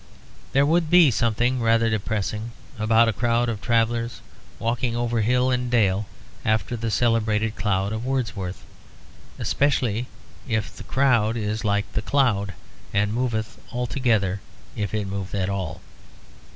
There would be something rather depressing about a crowd of travellers, walking over hill and dale after the celebrated cloud of Wordsworth; especially if the crowd is like the cloud, and moveth all together if it move at all.